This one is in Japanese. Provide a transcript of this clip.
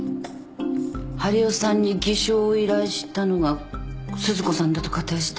治代さんに偽証を依頼したのが鈴子さんだと仮定したら。